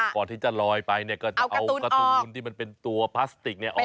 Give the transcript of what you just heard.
ก่อนที่จะลอยไปก็จะเอาการ์ตูนที่มันเป็นตัวพลาสติกออกก่อน